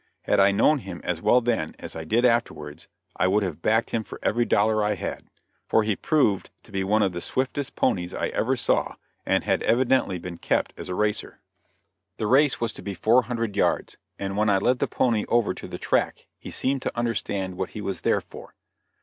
Had I known him as well then as I did afterwards I would have backed him for every dollar I had, for he proved to be one of the swiftest ponies I ever saw, and had evidently been kept as a racer. The race was to be four hundred yards, and when I led the pony over the track he seemed to understand what he was there for.